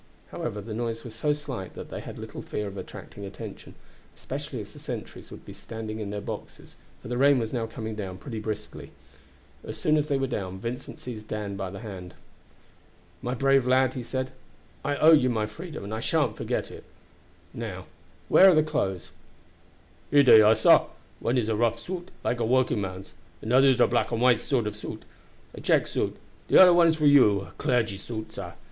However, the noise was so slight that they had little fear of attracting attention, especially as the sentries would be standing in their boxes, for the rain was now coming down pretty briskly. As soon as they were down Vincent seized Dan by the hand. "My brave lad," he said, "I owe you my freedom, and I sha'n't forget it. Now, where are the clothes?" "Here day are, sah. One is a rough suit, like a workingman's; another is a black and white sort of suit a check suit; de oder one is for you a clargy's suit, sir.